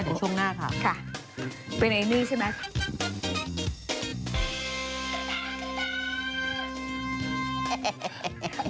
เดี๋ยวช่วงหน้าค่ะเป็นไอ้นี่ใช่ไหม